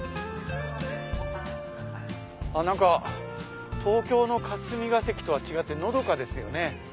何か東京の霞が関とは違ってのどかですよね。